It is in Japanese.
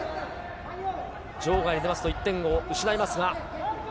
場外出ますと１点を失いますが。